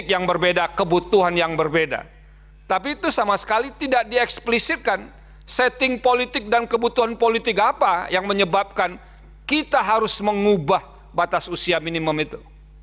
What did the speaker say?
kebutuhan politik apa yang menyebabkan kita harus mengubah batas usia minimum itu